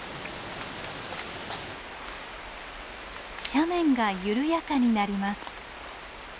斜面が緩やかになります。